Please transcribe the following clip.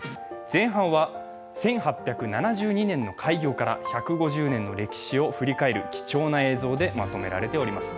前半は１８７２年の開業から１５０年の歴史を振り返る貴重な映像でまとめられています。